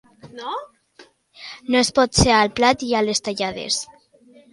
No es pot ser al plat i a les tallades.